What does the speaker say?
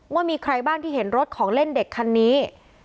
ว่ามีใครบ้างที่เห็นรถของเล่นเด็กคันนี้